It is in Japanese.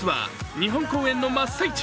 日本公演の真っ最中。